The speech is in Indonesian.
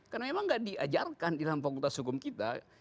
karena memang tidak diajarkan di dalam fakultas hukum kita